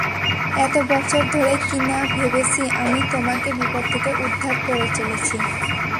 এত বছর ধরে কিনা ভেবেছি আমি তোমাকে বিপদ থেকে উদ্ধার করে চলেছি!